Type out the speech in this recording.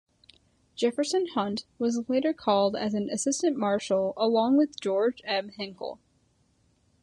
Jefferson Hunt was later called as an Assistant Marshall along with George M. Hinkle.